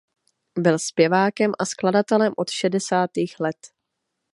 Byl zpěvákem a skladatelem od šedesátých let.